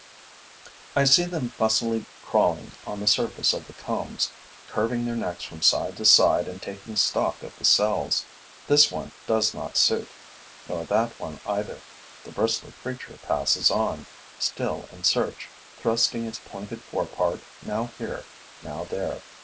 I see them fussily crawling on the surface of the combs, curving their necks from side to side and taking stock of the cells. This one does not suit, nor that one either; the bristly creature passes on, still in search, thrusting its pointed fore part now here, now there.